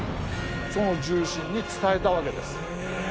その重臣に伝えたわけです。